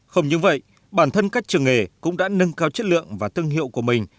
không như vậy bản thân các trường nghề cũng đã nâng cao chất lượng và thương hiệu của mình